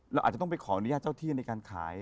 เราอาจจะต้องไปขออนุญาตเจ้าที่ในการขาย